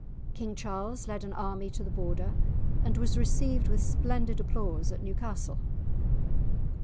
King Charles led an army to the border and was received with splendid applause at Newcastle.